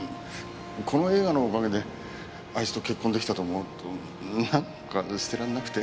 この映画のおかげであいつと結婚出来たと思うとなんか捨てらんなくて。